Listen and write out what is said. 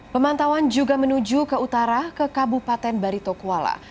pemantauan juga menuju ke utara ke kabupaten baritokuala